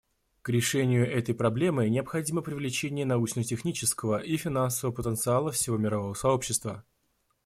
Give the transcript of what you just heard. К решению этой проблемы необходимо привлечение научно-технического и финансового потенциала всего мирового сообщества.